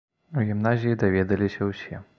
У гімназіі даведаліся ўсе.